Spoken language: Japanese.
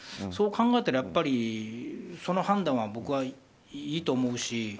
そう考えたら、やっぱりその判断は僕はいいと思うし。